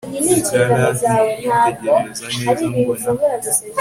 bwa rav mukwitegereza neza mbona